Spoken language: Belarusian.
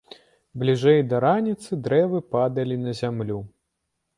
Бліжэй да раніцы дрэвы падалі на зямлю.